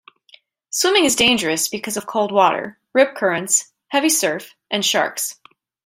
Swimming is dangerous because of cold water, rip currents, heavy surf and sharks.